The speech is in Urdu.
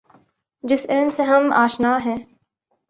جس علم سے ہم آشنا ہیں۔